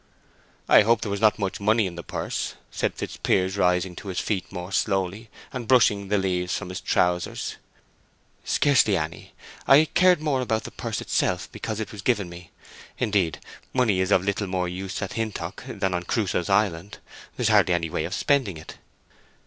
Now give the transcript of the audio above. "I hope there was not much money in the purse," said Fitzpiers, rising to his feet more slowly, and brushing the leaves from his trousers. "Scarcely any. I cared most about the purse itself, because it was given me. Indeed, money is of little more use at Hintock than on Crusoe's island; there's hardly any way of spending it."